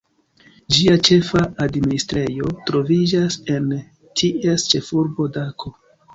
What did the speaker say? Ĝia ĉefa administrejo troviĝas en ties ĉefurbo Dako.